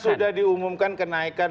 sudah diumumkan kenaikan